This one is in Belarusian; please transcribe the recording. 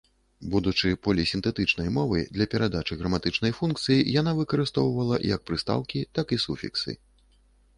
Будучы полісінтэтычнай мовай, для перадачы граматычнай функцыі яна выкарыстоўвала як прыстаўкі, так і суфіксы.